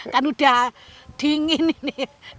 kan udah dingin ini